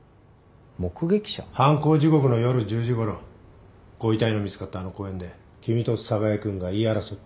犯行時刻の夜１０時ごろご遺体の見つかったあの公園で君と寒河江君が言い争ってるのを見た人がいる。